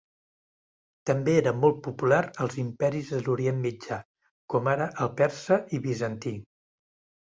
També era molt popular als imperis de l'Orient Mitjà com ara el persa i bizantí.